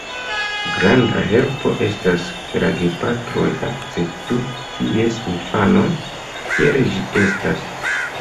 Granda helpo estas, ke la gepatroj akceptu ties infanon, kiel ĝi estas.